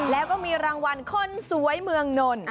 แล้วก็มีรางวัลคนสวยเมืองนนท์